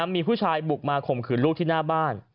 มีผู้ชายบุกมาข่มขืนลูกที่หน้าบ้าน